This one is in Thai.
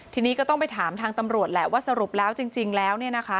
ทีนี้ก็ต้องไปถามทางตำรวจแหละว่าสรุปแล้วจริงแล้วเนี่ยนะคะ